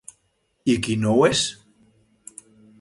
I qui no ho és?